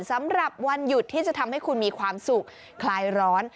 สำหรับวันหยุดที่จะทำให้คุณมีความสุขคลายร้อน